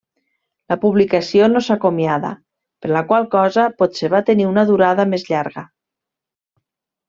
La publicació no s'acomiada, per la qual cosa potser va tenir una durada més llarga.